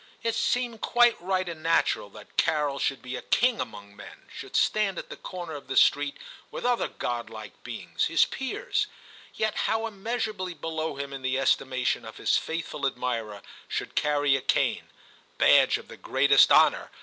It seemed quite right and natural that Carol should be a king among men, should stand at the corner of the street with other godlike beings, his peers — yet how immeasurably below him in the estimation of his faithful admirer — should carry a cane (badge of the greatest honour!)